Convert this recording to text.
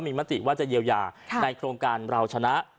มีมติว่าจะเยียวยาในโครงการเราชนะ